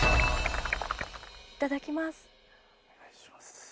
いただきます。